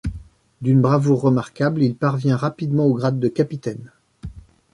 D'une bravoure remarquable, il parvient rapidement au grade de capitaine.